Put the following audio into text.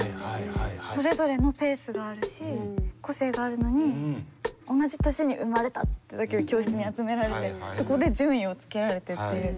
それぞれのペースがあるし個性があるのに同じ年に生まれたってだけで教室に集められてそこで順位をつけられてっていう。